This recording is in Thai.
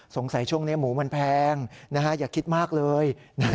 ช่วงนี้หมูมันแพงอย่าคิดมากเลย